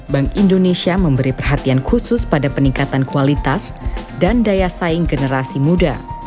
bank indonesia memberi perhatian khusus pada peningkatan kualitas dan daya saing generasi muda